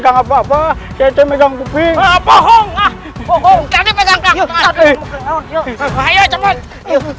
pantesan kiamat megang di atas